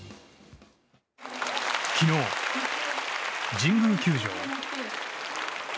昨日、神宮球場。